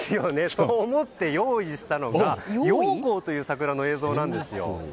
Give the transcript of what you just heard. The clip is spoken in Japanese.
そう思って、用意したのがヨウコウという桜の映像なんです。